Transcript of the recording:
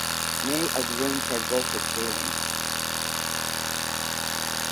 Many of the rooms had vaulted ceilings.